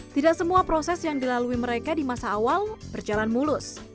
tidak semua proses yang dilalui mereka di masa awal berjalan mulus